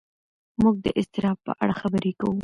موږ د اضطراب په اړه خبرې کوو.